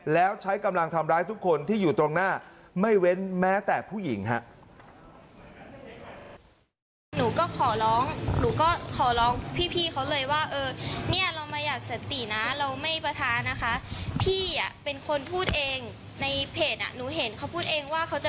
แล้วใช้กำลังทำร้ายทุกคนที่อยู่ตรงหน้า